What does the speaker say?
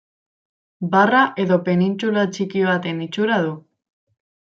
Barra edo penintsula txiki baten itxura du.